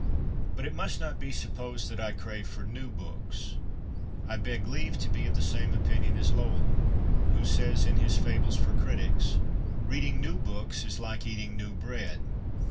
But it must not be supposed that I crave for ' new ' books. I beg leave to be of the same opinion as Lowell, who says in his Fables for Critics :' Read ing new books is like eating new bread.